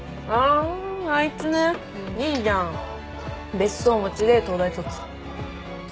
別荘持ちで東大卒。